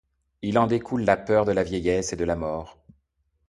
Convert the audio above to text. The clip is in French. Il en découle la peur de la vieillesse et de la mort.